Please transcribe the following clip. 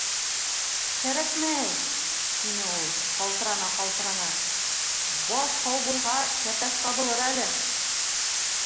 - Кәрәкмәй, - тине ул, ҡалтырана-ҡалтырана, - баш һау булһа, кәпәс табылыр әле.